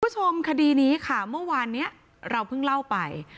คุณผู้ชมคดีนี้ค่ะเมื่อวานนี้เราเพิ่งเล่าไป